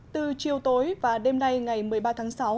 từ chiều tối và đêm nay ngày một mươi ba tháng sáu